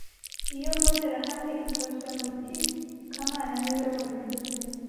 Iyo mbonerahamwe ikozwe mu biti kamana niwe wabivuze